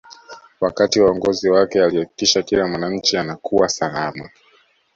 wakati wa uongozi wake alihakikisha kila mwananchi anakuwa salama